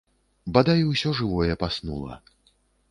Бадай усё жывое паснула.